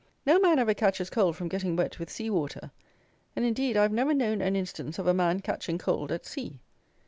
No man ever catches cold from getting wet with sea water; and, indeed, I have never known an instance of a man catching cold at sea.